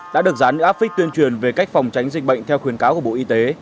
đã được rán áp phích tuyên truyền về cách phòng tránh dịch bệnh theo khuyến cáo của bộ y tế